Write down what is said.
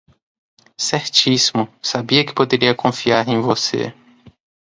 Certíssimo, sabia que poderia confiar em você